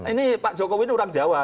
ini pak jokowi ini orang jawa